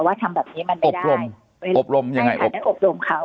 ว่าทำแบบนี้มันไม่ได้อบรมอบรมยังไงอบรมเขา